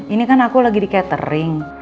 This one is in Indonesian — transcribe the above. ini kan aku lagi di catering